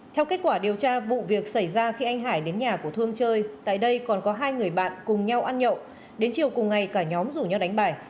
theo kết quả điều tra vụ việc xảy ra khi anh hải đến nhà của thương chơi tại đây còn có hai người bạn cùng nhau ăn nhậu đến chiều cùng ngày cả nhóm rủ nhau đánh bài